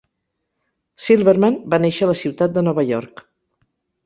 Silverman va néixer a la ciutat de Nova York.